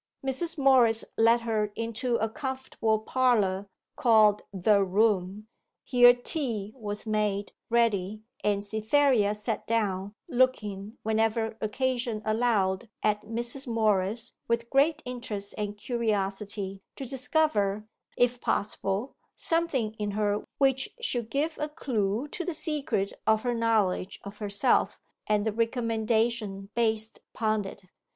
Mrs. Morris led her into a comfortable parlour called The Room. Here tea was made ready, and Cytherea sat down, looking, whenever occasion allowed, at Mrs. Morris with great interest and curiosity, to discover, if possible, something in her which should give a clue to the secret of her knowledge of herself, and the recommendation based upon it.